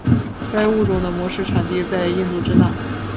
该物种的模式产地在印度支那。